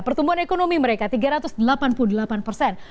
pertumbuhan ekonomi mereka tiga ratus delapan puluh delapan persen